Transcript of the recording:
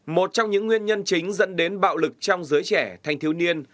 một trong những nguyên nhân chính dẫn đến bạo lực trong giới trẻ thanh thiếu niên